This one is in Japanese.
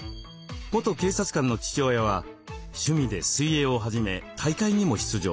元警察官の父親は趣味で水泳を始め大会にも出場。